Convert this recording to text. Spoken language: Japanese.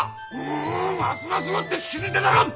んんますますもって聞き捨てならん！